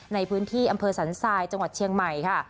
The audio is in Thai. ในพื้นที่อำเภอสันทรายจังหวัดเชียงใหม่ค่ะ